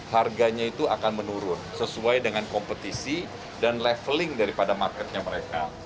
harganya itu akan menurun sesuai dengan kompetisi dan leveling daripada marketnya mereka